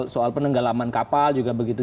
soal penenggelaman kapal juga begitu